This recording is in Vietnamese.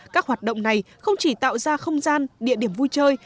các hoạt động này không chỉ tạo ra không gian địa điểm vui chơi